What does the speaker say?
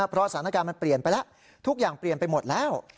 เพราะสถานการณ์มันเปลี่ยนไปแล้วทุกอย่างเปลี่ยนไปหมดแล้ว